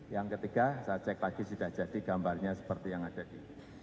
yang ketiga saya cek lagi sudah jadi gambarnya seperti yang ada di